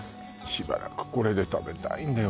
しばらくこれで食べたいんだよ